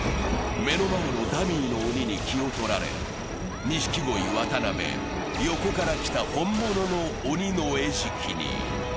目の前のダミーの鬼に気をとられ、錦鯉・渡辺、横から来た本物の鬼の餌食に。